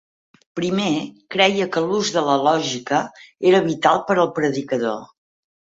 Primer, creia que l'ús de la lògica era vital per al predicador.